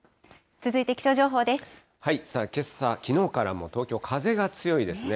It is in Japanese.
けさ、きのうから、東京、風が強いですね。